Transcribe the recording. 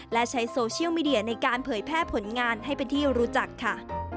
และใช้โซเชียลมีเดียในการเผยแพร่ผลงานให้เป็นที่รู้จักค่ะ